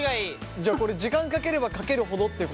じゃあこれ時間かければかけるほどっていうことなんですか？